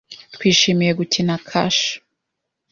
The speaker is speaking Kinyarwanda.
Twishimiye gukina kashe.